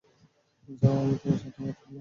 যাও, আমি তোমার সাথে কথা বলবো না।